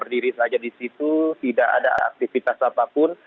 berdiri saja di situ tidak ada aktivitas apapun